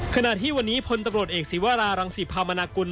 ขณะที่วันนี้พลตำรวจเอกศิวรารังศิพามนากุล